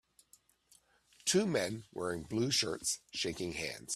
Two men wearing blue shirts shaking hands